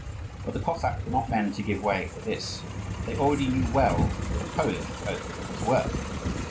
But the Cossacks were not men to give way for this. They already knew well what a Polish oath was worth.